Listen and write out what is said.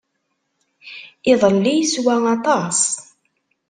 Iḍelli yeswa aṭas.